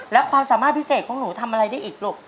แล้วความสามารถพิเศษของหนูทำอะไรได้อีกลูก